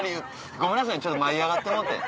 ごめんなさい舞い上がってもうて。